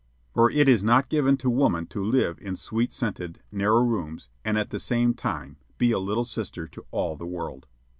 For it is not given to woman to live in sweet scented, narrow rooms and at the same time be a little sister to all the world.